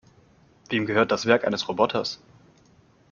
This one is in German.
Wem gehört das Werk eines Roboters?